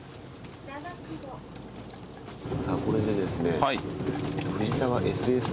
さぁこれでですね。